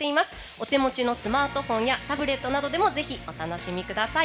お手持ちのスマートフォンやタブレットなどでもぜひ、お楽しみください。